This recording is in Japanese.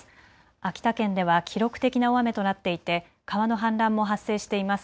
秋田県では記録的な大雨となっていて川の氾濫も発生しています。